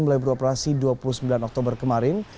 mulai beroperasi dua puluh sembilan oktober kemarin